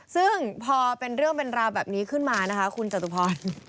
ซึ่งพอเป็นเรื่องเป็นราวแบบนี้ขึ้นมานะคะคุณจตุพร